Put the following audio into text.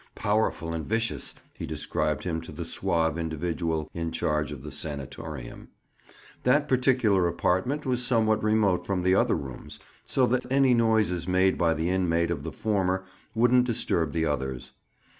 "Powerful and vicious," he described him to the suave individual in charge of the "sanatorium." That particular apartment was somewhat remote from the other rooms, so that any noises made by the inmate of the former wouldn't disturb the others.